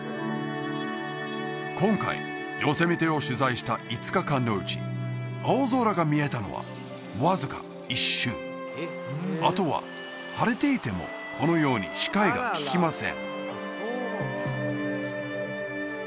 今回ヨセミテを取材した５日間のうち青空が見えたのはわずか一瞬あとは晴れていてもこのように視界がききません